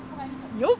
よっ。